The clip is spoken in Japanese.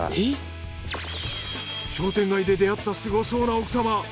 商店街で出会った凄そうな奥様！